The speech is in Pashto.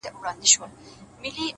مه وايه دا چي اور وړي خوله كي”